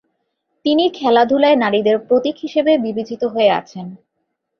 তিনি খেলাধুলায় নারীদের প্রতীক হিসেবে বিবেচিত হয়ে আছেন।